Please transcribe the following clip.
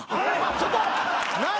ちょっと！